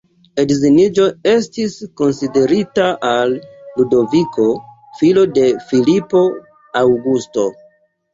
Edziniĝo estis konsiderita al Ludoviko, filo de Filipo Aŭgusto.